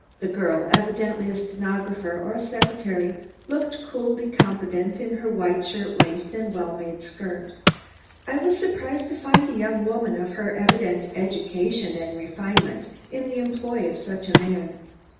The girl, evidently a stenographer or secretary, looked coolly competent in her white shirt waist and well made skirt. I was surprised to find a young woman of her evident education and refinement in the employ of such a man.